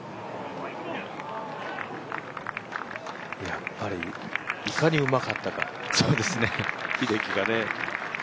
やっぱり、いかにうまかったか、英樹が。